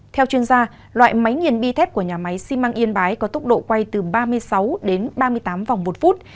theo chuyên gia loại máy nghiền bi thép của nhà máy xi măng yên bái có tốc độ quay từ ba mươi sáu đến ba mươi tám vòng một phút